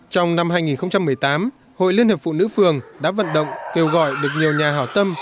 trong năm hai nghìn một mươi tám hội liên hiệp phụ nữ phường đã vận động kêu gọi được nhiều nhà hảo tâm